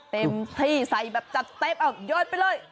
เต็มที่ใส่แบบจัดเต็มเอายอดไปเลย